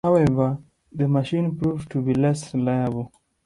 However, the machine proved to be less reliable.